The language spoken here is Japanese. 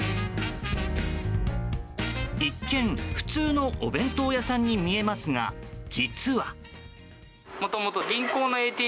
一見、普通のお弁当屋さんに見えますが実は。